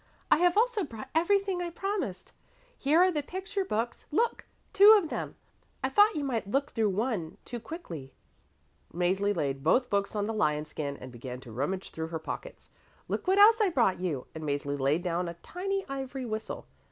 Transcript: "I have also brought everything I promised. Here are the picture books look! two of them. I thought you might look through one too quickly." Mäzli laid both books on the lion skin and began to rummage through her pockets. "Look what else I brought you," and Mäzli laid down a tiny ivory whistle.